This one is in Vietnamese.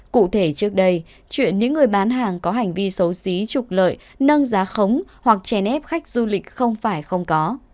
cụ thể trước đây chuyện những người bán hàng có hành vi xấu xí trục lợi nâng giá khống hoặc chèn ép khách du lịch không phải không có